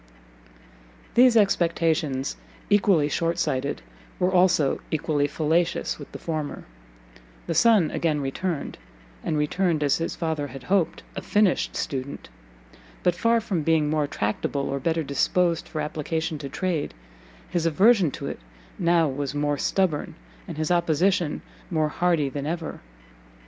These expectations, equally shortsighted, were also equally fallacious with the former: the son again returned, and returned, as his father had hoped, a finished student; but, far from being more tractable, or better disposed for application to trade, his aversion to it now was more stubborn, and his opposition more hardy than ever.